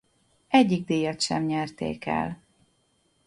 Egyik díjat sem nyerték el.